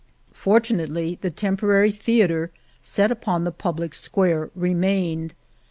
Fortunately the temporary theatre, set upon the public square, remained.